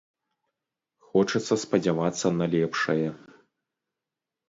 Хочацца спадзявацца на лепшае.